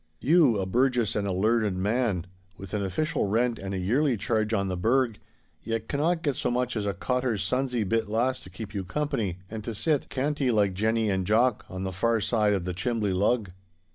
'You, a burgess and a learned man, with an official rent and a yearly charge on the burgh, yet cannot get so much as a cotter's sonsy bit lass to keep you company, and to sit, canty like Jenny and Jock, on the far side of the chimbley lug.